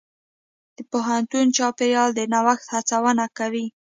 د پوهنتون چاپېریال د نوښت هڅونه کوي.